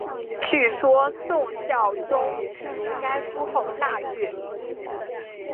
据说宋孝宗读该书后大悦。